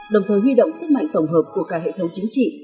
đồng thời huy động sức mạnh tổng hợp của cả hệ thống chính trị